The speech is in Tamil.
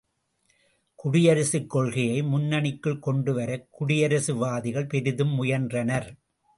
குடியரசுக் கொள்கையை முன்னணிக்குள் கொண்டுவரக் குடியரசுவாதிகள் பெரிதும் முயன்றனர்.